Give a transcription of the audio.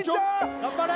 頑張れー！